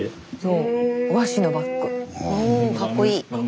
うんかっこいい！